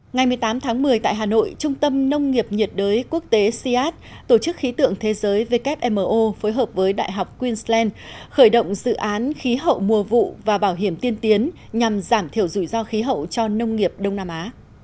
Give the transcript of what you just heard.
ngày một mươi tám tháng một mươi tại hà nội trung tâm nông nghiệp nhiệt đới quốc tế cs tổ chức khí tượng thế giới wmo phối hợp với đại học queensland khởi động dự án khí hậu mùa vụ và bảo hiểm tiên tiến nhằm giảm thiểu rủi ro khí hậu cho nông nghiệp đông nam á